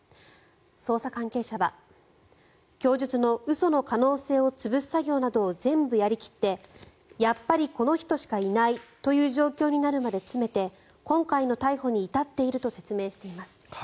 捜査関係者は供述の嘘の可能性を潰す作業などを全部やり切ってやっぱりこの人しかいないという状況になるまで詰めて今回の逮捕に至っていると説明しています。